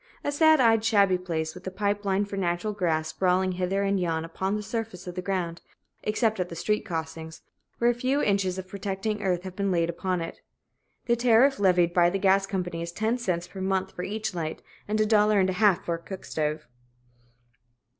A sad eyed, shabby place, with the pipe line for natural gas sprawling hither and yon upon the surface of the ground, except at the street crossings, where a few inches of protecting earth have been laid upon it. The tariff levied by the gas company is ten cents per month for each light, and a dollar and a half for a cook stove.